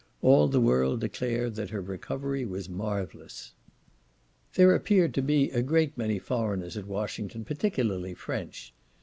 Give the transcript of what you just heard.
All the world declare that her recovery was marvellous. There appeared to be a great many foreigners at Washington, particularly French.